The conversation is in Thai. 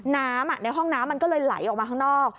น้ำในห้องน้ำมันก็เลยไหลออกมาข้างนอก